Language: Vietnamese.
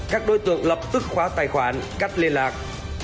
các đối tượng lập tức khóa tài khoản cắt liên lạc